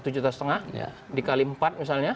satu lima juta dikali empat misalnya